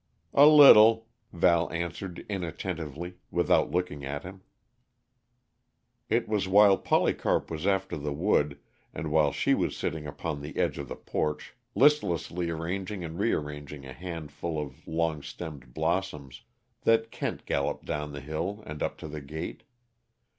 "A little," Val answered inattentively, without looking at him. It was while Polycarp was after the wood, and while she was sitting upon the edge of the porch, listlessly arranging and rearranging a handful of long stemmed blossoms, that Kent galloped down the hill and up to the gate.